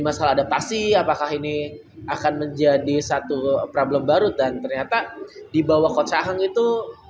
masalah adaptasi apakah ini akan menjadi satu problem baru dan ternyata dibawa kocang itu